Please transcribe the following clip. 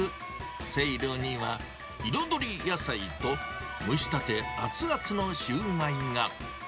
せいろには、彩り野菜と蒸したて、熱々のシュウマイが。